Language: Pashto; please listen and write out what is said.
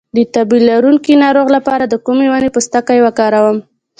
د تبه لرونکي ناروغ لپاره د کومې ونې پوستکی وکاروم؟